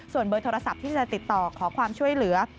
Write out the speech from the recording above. เบอร์โทรศัพท์ที่จะติดต่อขอความช่วยเหลือ